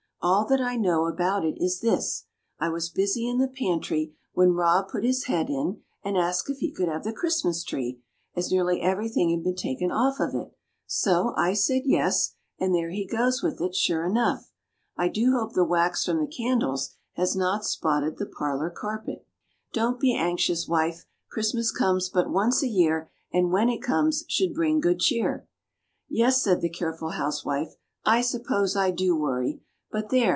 "All that I know about it is this: I was busy in the pantry, when Rob put his head in, and asked if he could have the Christmas tree, as nearly everything had been taken off of it; so I said 'Yes,' and there he goes with it, sure enough. I do hope the wax from the candles has not spotted the parlor carpet." "Don't be anxious, wife; 'Christmas comes but once a year, and when it comes should bring good cheer.'" "Yes," said the careful housewife, "I suppose I do worry. But there!